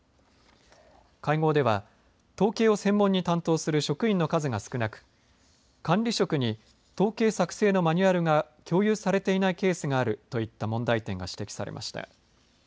会合では統計を専門に担当する職員の数が少なく管理職に統計作成のマニュアルが共有されていないケースがあるといった問題点が指摘されました。